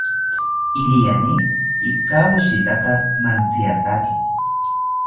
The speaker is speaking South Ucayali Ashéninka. Iriani ikawoshitaka mantziataki